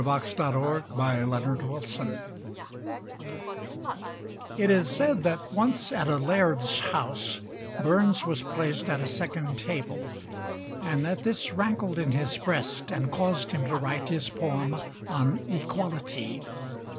_ A MAN'S A MAN FOR A' THAT It is said that once at a laird's house Burns was placed at a second table, and that this rankled in his breast and caused him to write his poem on equality.